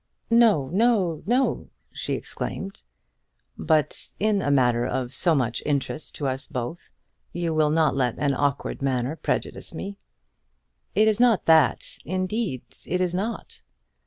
"No, no, no," she exclaimed. "But in a matter of so much interest to us both you will not let an awkward manner prejudice me." "It is not that; indeed, it is not."